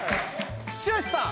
剛さん